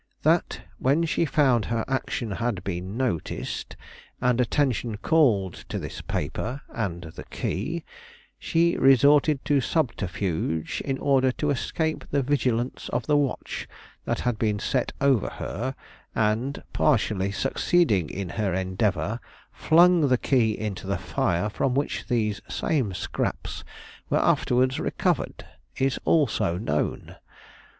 That, when she found her action had been noticed, and attention called to this paper and the key, she resorted to subterfuge in order to escape the vigilance of the watch that had been set over her, and, partially succeeding in her endeavor, flung the key into the fire from which these same scraps were afterwards recovered, is also known.